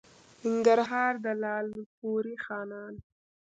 ننګرهار؛ د لالپورې خانان